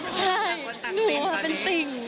ใช่หนูเป็นติ่ง